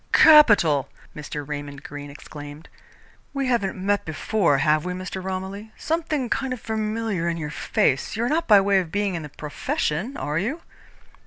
"Capital!" Mr. Raymond Greene exclaimed. "We haven't met before, have we, Mr. Romilly? Something kind of familiar in your face. You are not by way of being in the Profession, are you?"